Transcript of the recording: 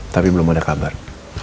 tapi belum ada kabar